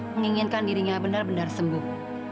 menginginkan dirinya benar benar sembuh